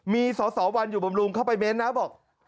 มีสอสอวันอยู่บำรุงเข้าไปเม้นนะบอก